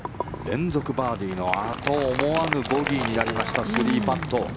連続バーディーのあと思わぬボギーになりました。